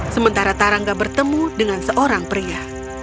sementara tarangga bertemu dengan seorang pria